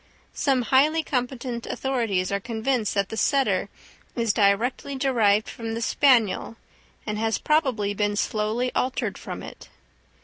Some highly competent authorities are convinced that the setter is directly derived from the spaniel, and has probably been slowly altered from it.